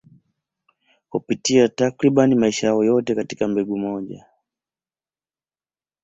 Hupitia takriban maisha yao yote katika mbegu moja.